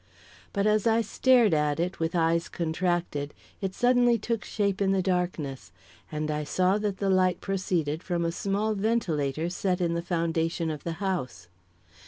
But as I stared at it, with eyes contracted, it suddenly took shape in the darkness, and I saw that the light proceeded from a small ventilator set in the foundation of the house.